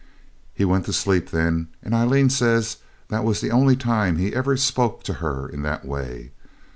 He went to sleep then, and Aileen said that was the only time he ever spoke to her in that way.